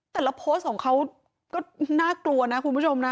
แต่ละโพสต์ของเขาก็น่ากลัวนะคุณผู้ชมนะ